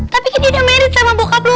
tapi kan dia udah married sama bokap lo